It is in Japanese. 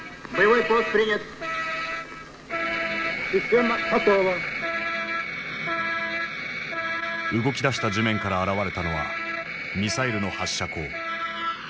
動きだした地面から現れたのはミサイルの発射口。